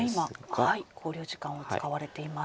今考慮時間を使われています。